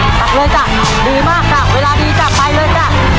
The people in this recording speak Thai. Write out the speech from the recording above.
ตัดเลยจ้ะดีมากจ้ะเวลาดีจ้ะไปเลยจ้ะ